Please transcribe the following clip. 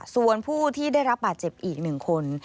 ส่วนผู้ที่ได้รับบาดเจ็บอีก๑คน